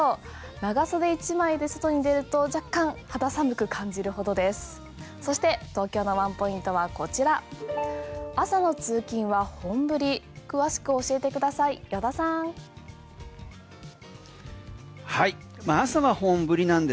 長袖１枚で外に出ると若干肌寒く感じるほどです。